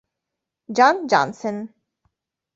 Jan Jansen